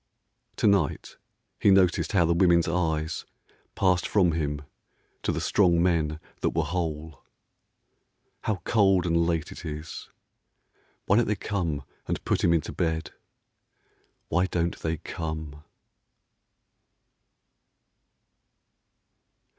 To night he noticed how the women's eyes Passed from him to the strong men that were whole. How cold and late it is ! Why don't they come And put him into bed ? Why don't they come